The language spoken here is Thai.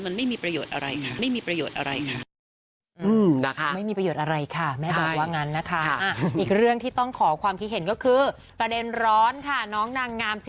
มันไม่มีประโยชน์อะไรนะ